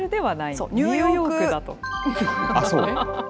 そう、ニューヨークだと。